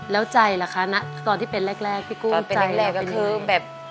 แล้วใจละคะตอนที่เป็นแรกแรกพี่กุ้งใจตอนที่เป็นแรกแรกก็คือแบบ